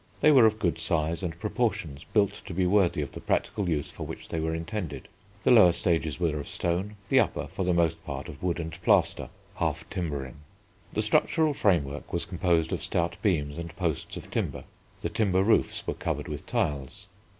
They were of good size and proportions, built to be worthy of the practical use for which they were intended. The lower stages were of stone, the upper for the most part of wood and plaster (half timbering). The structural framework was composed of stout beams and posts of timber. The timber roofs were covered with tiles.